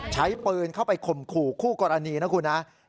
ใช้ปืนเข้าไปข่มขู่คู่กรณีนะครับ